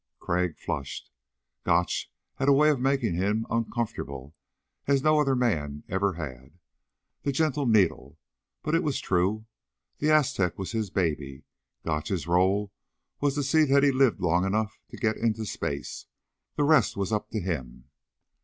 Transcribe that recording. Crag flushed. Gotch had a way of making him uncomfortable as no other man ever had. The gentle needle. But it was true. The Aztec was his baby. Gotch's role was to see that he lived long enough to get it into space. The rest was up to him.